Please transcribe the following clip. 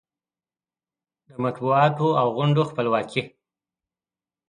د مطبوعاتو او غونډو خپلواکي